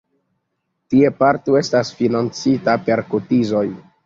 Tie parto estas financita per kotizoj.